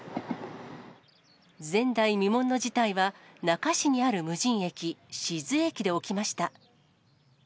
前代未聞の事態は、那珂市にある無人駅、静駅で起きました。